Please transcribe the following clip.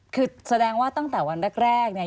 คือแสดงว่าตั้งแต่วันแรกเนี่ย